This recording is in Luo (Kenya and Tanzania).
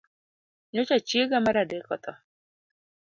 Nyocha chiega mar adek otho